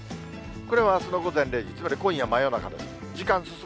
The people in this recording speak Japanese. これはあすの午前０時、つまり今夜、真夜中です。